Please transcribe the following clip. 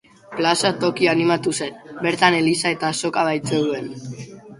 Plaza toki animatu zen, bertan eliza eta azoka baitzeuden.